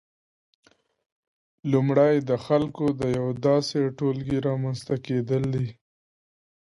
لومړی د خلکو د یو داسې ټولګي رامنځته کېدل دي